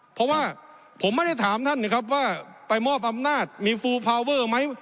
เพราะว่าผมไม่ได้ถามท่านนะครับว่าไปมอบอำนาจมีฟูพาวเวอร์ไหม